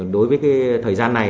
đối với cái thời gian này